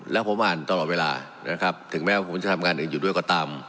และผมอ่านตลอดเวลานะครับถึงแม้ผมจะทำงานอยู่ด้วยกฎาม